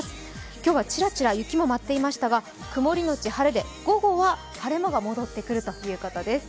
今日はちらちら雪も舞っていましたが曇のち晴れで、午後は晴れ間が戻ってくるということです。